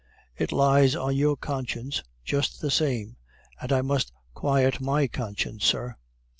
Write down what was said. It lies on your conscience just the same, and I must quiet my conscience, sir."